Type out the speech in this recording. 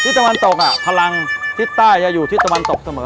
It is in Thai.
ตะวันตกพลังทิศใต้จะอยู่ทิศตะวันตกเสมอ